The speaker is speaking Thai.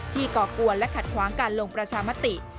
ก่อกวนและขัดขวางการลงประชามติ